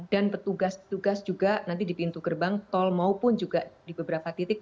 dan petugas petugas juga nanti di pintu gerbang tol maupun juga di beberapa titik